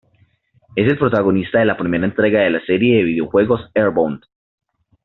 Es el protagonista de la primera entrega de la serie de videojuegos EarthBound.